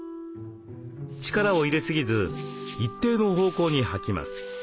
力を入れすぎず一定の方向にはきます。